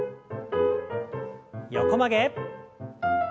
横曲げ。